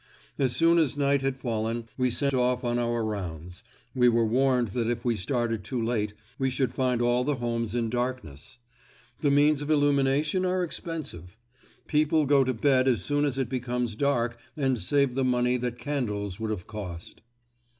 As soon as night had fallen we set off on our rounds; we were warned that if we started too late, we should find all the homes in darkness; the means of illumination are expensive. People go to bed as soon as it becomes dark and save the money that candles would have cost.